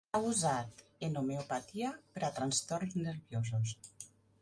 S'ha usat en homeopatia per a trastorns nerviosos.